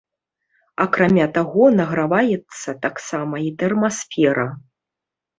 Акрамя таго, награваецца таксама і тэрмасфера.